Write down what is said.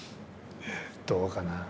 どうかなぁ。